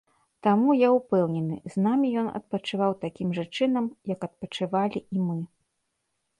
Таму, я ўпэўнены, з намі ён адпачываў такім жа чынам, як адпачывалі і мы.